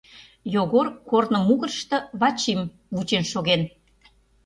Йогор корно мугырышто Вачим вучен шоген.